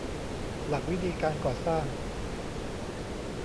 หลักวิธีการก่อสร้าง